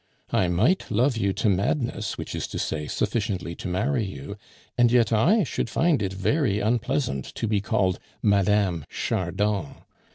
I might love you to madness which is to say, sufficiently to marry you and yet I should find it very unpleasant to be called Madame Chardon.